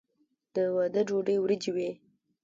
د واده ډوډۍ وریجې وي.